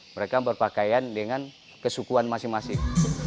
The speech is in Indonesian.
mereka berpakaian dengan kesukuan masing masing